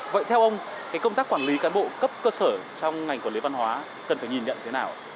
vậy theo ông công tác quản lý cán bộ cấp cơ sở trong ngành quản lý văn hóa cần phải nhìn nhận thế nào